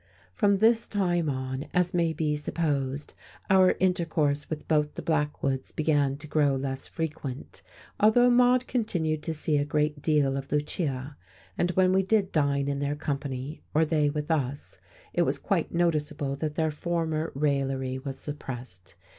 From this time on, as may be supposed, our intercourse with both the Blackwoods began to grow less frequent, although Maude continued to see a great deal of Lucia; and when we did dine in their company, or they with us, it was quite noticeable that their former raillery was suppressed.